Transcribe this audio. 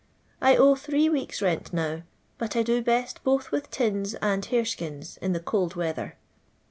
1 owe tliree weeks' rent now; but I do best both with tins and harcskins in the cold weather.